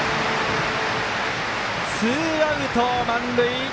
ツーアウト、満塁。